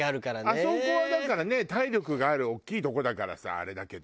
あそこはだからね体力がある大きいとこだからさあれだけど。